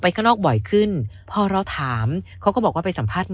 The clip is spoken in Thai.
ข้างนอกบ่อยขึ้นพอเราถามเขาก็บอกว่าไปสัมภาษณ์หมอ